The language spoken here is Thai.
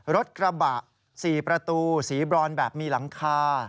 รถกระบะ๔ประตูสีบรอนแบบมีหลังคา